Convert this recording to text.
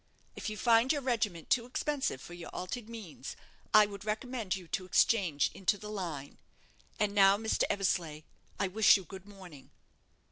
If you find your regiment too expensive for your altered means, I would recommend you to exchange into the line. And now, Mr. Eversleigh, I wish you good morning."